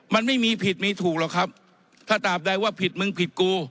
มันไม่มีผิดมีถูกหรอกครับถ้าตามใดว่าผิดมึงผิดกู